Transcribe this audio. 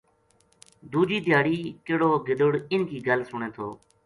دوجی دھیاڑی کہیڑو گدڑ اِنھ کی گل سنے تھو